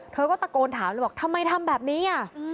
เธอก็ตะโกนถามเลยบอกทำไมทำแบบนี้